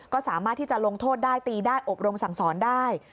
ก็สามารถที่จะลงโทษได้ตีได้อบรมสั่งสอนได้